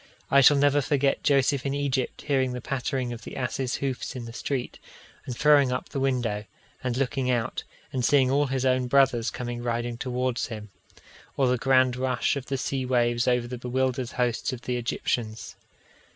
I shall never forget Joseph in Egypt hearing the pattering of the asses' hoofs in the street, and throwing up the window, and looking out, and seeing all his own brothers coming riding towards him; or the grand rush of the sea waves over the bewildered hosts of the Egyptians.